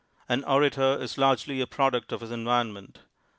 An orator is largely a product of his environment.